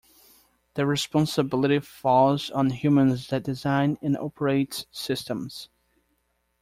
The responsibility falls on humans that design and operates systems.